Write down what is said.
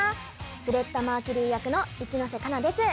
スレッタ・マーキュリー役の市ノ瀬加那です。